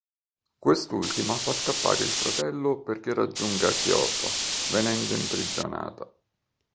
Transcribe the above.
Quest'ultima fa scappare il fratello perché raggiunga Kyoto, venendo imprigionata.